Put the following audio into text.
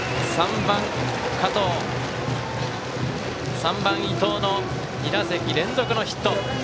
３番、伊藤の２打席連続のヒット。